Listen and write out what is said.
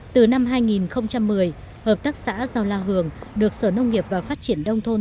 từ năm hai nghìn một mươi hợp tác xã rau la hường được sở nông nghiệp và phát triển đông thôn